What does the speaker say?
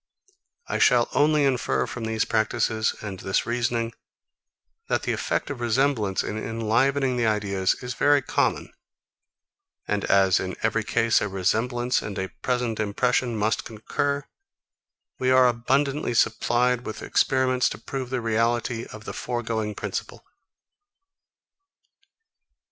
I shall only infer from these practices, and this reasoning, that the effect of resemblance in enlivening the ideas is very common; and as in every case a resemblance and a present impression must concur, we are abundantly supplied with experiments to prove the reality of the foregoing principle.